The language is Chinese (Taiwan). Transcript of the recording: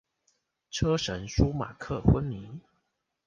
車神舒馬克昏迷